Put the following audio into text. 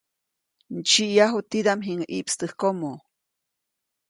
Ndsyiʼyaju tidaʼm jiŋäʼ ʼiʼpstäjkomo.